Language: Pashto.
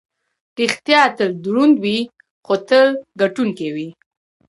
ریښتیا تل دروند وي، خو تل ګټونکی وي.